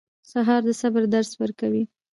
سهار د صبر درس ورکوي.